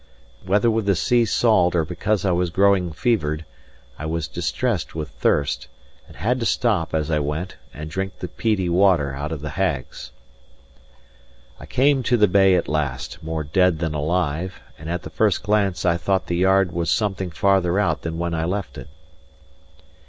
Whether with the sea salt, or because I was growing fevered, I was distressed with thirst, and had to stop, as I went, and drink the peaty water out of the hags. I came to the bay at last, more dead than alive; and at the first glance, I thought the yard was something farther out than when I left it.